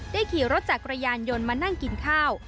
ขี่รถจักรยานยนต์มานั่งกินข้าว